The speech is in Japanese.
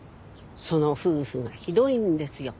その夫婦がひどいんですよ。